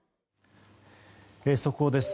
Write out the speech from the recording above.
速報です。